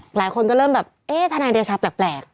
หลายคนก็เริ่มแบบเอ๊ะทนายเดชาแปลก